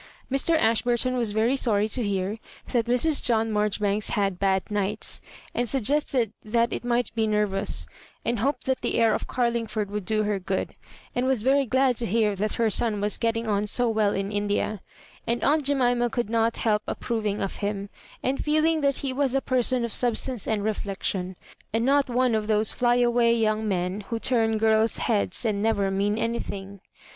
Mr. Ashburton was very sorry to hear that Mrs. John Marjori banks bad bad nights, and suggested that it might be nervous, and hoped that the air of Oar Ungford would do her good, and was very glad to hear that her son was getting on so well in India; and aunt Jemima 'could not help approv ing of him, and feeling that he was a person of substance and reflection, and not one of those fly away young men who turn glrla' heads, and never mean anythmg.